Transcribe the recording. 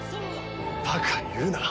バカ言うな！